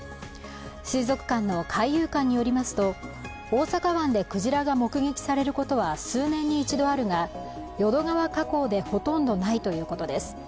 水族館の海遊館によりますと大阪湾でクジラが目撃されることは数年に一度あるが淀川河口でほとんどないということです。